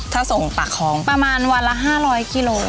ถ้าส่งปลาคลองประมาณวันละห้าร้อยกิโล